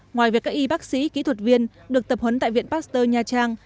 ngoài việc các y bác sĩ kỹ thuật viên được tập huấn tại viện pasteur nha trang